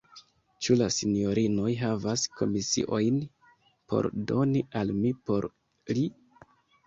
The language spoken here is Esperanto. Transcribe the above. Ĉu la sinjorinoj havas komisiojn por doni al mi por li?